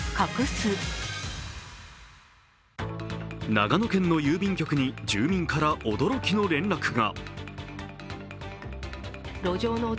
長野県の郵便局に住民から驚きの連絡が。